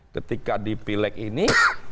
ketika di pileg ini